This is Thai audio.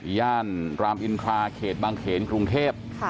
ย่านรามอินทราเขตบางเขนกรุงเทพ